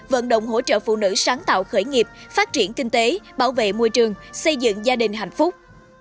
vận động hỗ trợ phụ nữ sáng tạo khởi nghiệp phát triển kinh tế bảo vệ môi trường xây dựng gia đình hạnh phúc